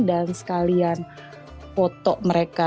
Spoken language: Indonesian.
dan sekalian foto mereka